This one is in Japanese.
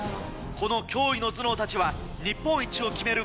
この驚異の頭脳たちは日本一を決める